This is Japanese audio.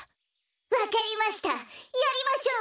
わかりました。